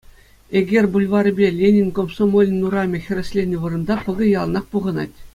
Эгер бульварӗпе Ленин Комсомолӗн урамӗ хӗресленнӗ вырӑнта пӑкӑ яланах пухӑнать.